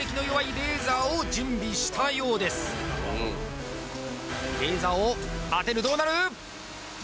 レーザーを当てるどうなる！？